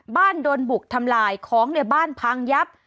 บ้านโดนบุกทำลายของเนี่ยบ้านพังยับ